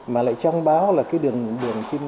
mà lại trong bão là cái đường trên sông là rất khó đi lại